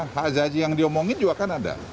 hak azaci yang diomongin juga akan ada